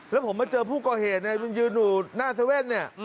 แล้วผมมาเจอผู้ก่อเหตุเนี่ยมันยืนอยู่หน้าเซเว่นเนี่ย